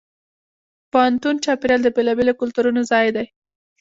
د پوهنتون چاپېریال د بېلابېلو کلتورونو ځای دی.